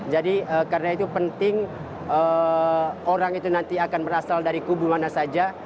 jadi karena itu penting orang itu nanti akan berasal dari kubu mana saja